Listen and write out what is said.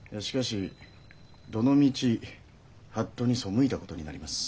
しかしどの道法度に背いた事になります。